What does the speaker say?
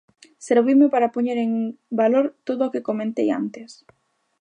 Serviume para poñer en valor todo o que comentei antes.